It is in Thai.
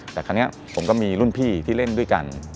แต่คราวนี้ผมก็มีรุ่นพี่ที่เล่นด้วยกัน